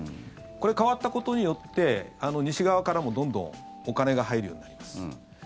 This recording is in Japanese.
これ、変わったことによって西側からもどんどんお金が入るようになります。